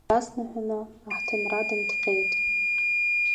Абас наҳәаны, аҳҭынра дынҭҟьеит.